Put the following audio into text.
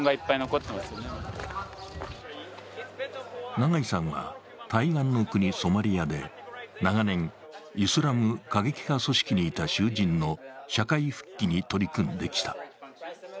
永井さんは対岸の国ソマリアで長年、イスラム過激派組織にいた囚人の社会復帰に取り組んできた。